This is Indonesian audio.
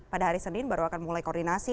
pada hari senin baru akan mulai koordinasi